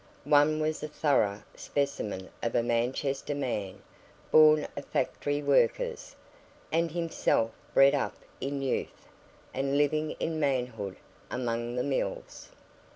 One was a thorough specimen of a Manchester man; born of factory workers, and himself bred up in youth, and living in manhood, among the mills.